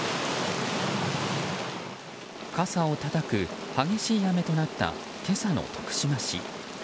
傘をたたく激しい雨となった今朝の徳島市。